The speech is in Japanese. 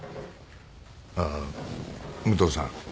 あ武藤さん。